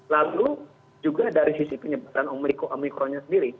lalu juga dari sisi penyebaran omikronnya sendiri